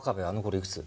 いくつ？